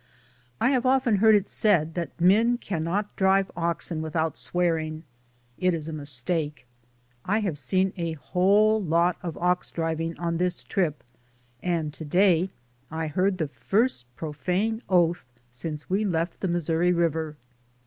I have often heard it said that men cannot drive oxen without swear ing; it is a mistake. I have seen a whole lot of ox driving on this trip, and to day I heard the first profane oath since we left the Mis souri River.